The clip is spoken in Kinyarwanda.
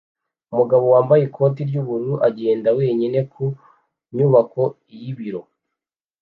Umugabo wambaye ikoti ry'ubururu agenda wenyine ku nyubako y'ibiro